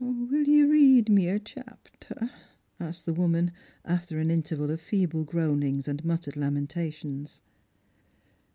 " Will you read me a chapter ?" asked the woman, after an interval of feeble groanings and muttered lamentations.